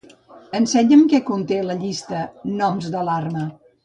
Ensenya'm què conté la llista "noms d'alarma".